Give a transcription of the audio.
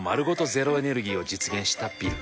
ゼロエネルギーを実現したビル。